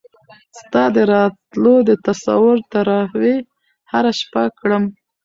ستا د راتلو د تصور تراوېح هره شپه کړم